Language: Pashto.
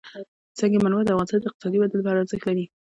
سنگ مرمر د افغانستان د اقتصادي ودې لپاره ارزښت لري.